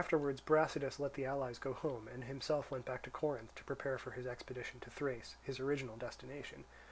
Afterwards Brasidas let the allies go home, and himself went back to Corinth, to prepare for his expedition to Thrace, his original destination.